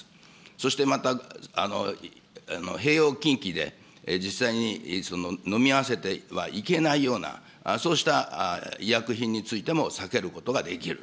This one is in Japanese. そしてまた、併用禁忌で、実際にのみ合わせてはいけないような、そうした医薬品についても避けることができる。